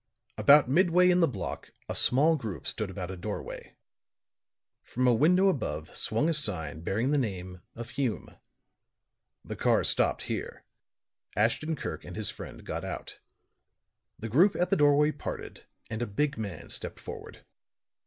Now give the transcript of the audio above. About midway in the block a small group stood about a doorway; from a window above swung a sign bearing the name of Hume. The car stopped here; Ashton Kirk and his friend got out; the group at the doorway parted and a big man stepped forward.